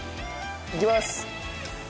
いきます。